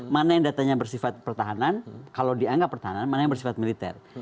mana yang datanya bersifat pertahanan kalau dianggap pertahanan mana yang bersifat militer